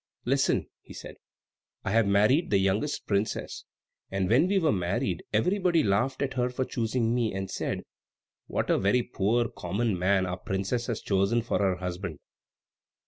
"Listen," he said; "I have married the youngest princess; and when we were married everybody laughed at her for choosing me, and said, 'What a very poor, common man our princess has chosen for her husband!'